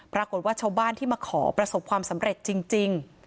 ปรากฏว่าชาวบ้านที่มาขอประสบความสำเร็จจริง